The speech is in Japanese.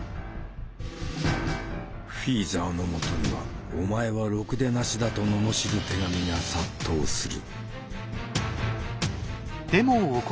フィーザーのもとには「お前はろくでなしだ」と罵る手紙が殺到する。